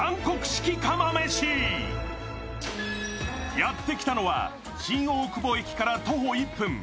やってきたのは新大久保駅から徒歩１分。